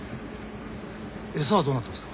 エサはどうなってますか？